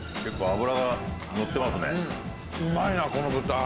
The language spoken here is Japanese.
うまいなこの豚。